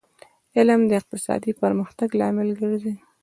علم د اقتصادي پرمختګ لامل ګرځي